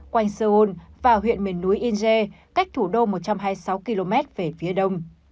quanh seoul và huyện miền núi inche cách thủ đô một trăm hai mươi sáu km về phía đông